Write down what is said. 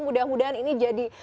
mudah mudahan ini jadi